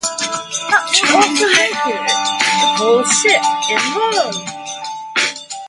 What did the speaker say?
That would also make it the tallest ship in the world.